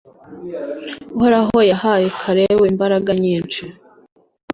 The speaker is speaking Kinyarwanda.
uhoraho yahaye kalebu imbaraga nyinshi